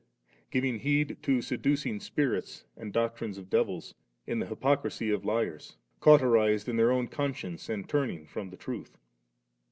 3" giving heed to sedudng spirits and doctrines of de^oli^ in the hjrpocrisy of liars ; cauterized in* their own consdence, and turning from the truth"?'